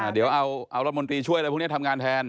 เดี๋ยวเอารัฐมนตรีช่วยอะไรพวกนี้ทำงานแทน